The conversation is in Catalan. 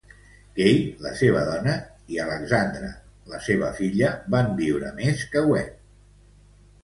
Kay, la seva dona, i Alexandra, la seva filla, van viure més que Webb.